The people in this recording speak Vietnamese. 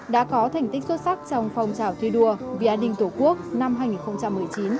đã có thành tích xuất sắc trong phong trào thi đua vì an ninh tổ quốc năm hai nghìn một mươi chín